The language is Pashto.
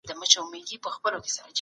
مینه او محبت باید په مینځو کې وي.